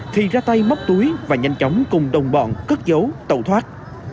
thì ra tay móc túi và nhanh chóng cùng đồng bọn cất dấu tẩu thoát